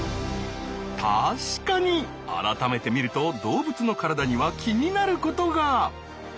確かに改めて見ると動物の体には気になることが。